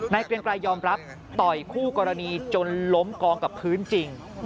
เกรียงไกรยอมรับต่อยคู่กรณีจนล้มกองกับพื้นจริง